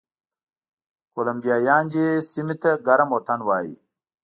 کولمبیایان دې سیمې ته ګرم وطن وایي.